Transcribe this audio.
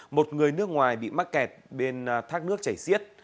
một người nước ngoài bị mắc kẹt bên thác nước chảy xiết